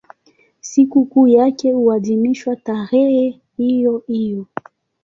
Sikukuu yake huadhimishwa tarehe hiyohiyo.